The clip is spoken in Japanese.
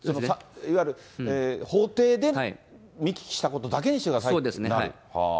いわゆる法廷で見聞きしたことだけにしてくださいと。